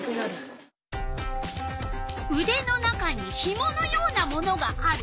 うでの中にひものようなものがある。